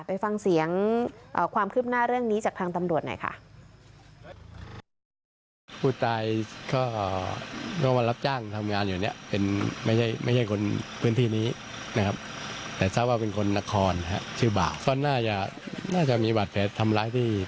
ไปฟังเสียงความคืบหน้าเรื่องนี้จากทางตำรวจหน่อยค่ะ